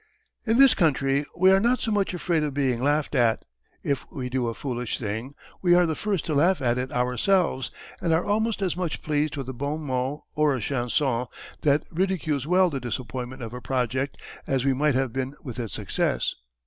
In this Country we are not so much afraid of being laught at. If we do a foolish thing, we are the first to laugh at it ourselves, and are almost as much pleased with a Bon Mot or a Chanson, that ridicules well the Disappointment of a Project, as we might have been with its success.